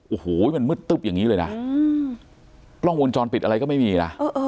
โอ้โหมันมืดตุ๊บอย่างงี้เลยน่ะอืมปล่องวงจรปิดอะไรก็ไม่มีน่ะเออเออ